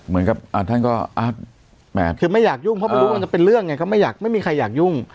คือไม่อยากยุ่งเพราะมันรู้ว่ามันจะเป็นเรื่องไงก็ไม่มีใครอยากยุ่ง